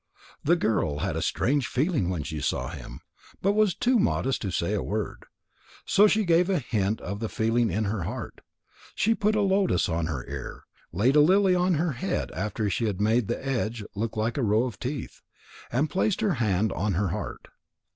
The girl had a strange feeling when she saw him, but was too modest to say a word. So she gave a hint of the feeling in her heart. She put a lotus on her ear, laid a lily on her head after she had made the edge look like a row of teeth, and placed her hand on her heart.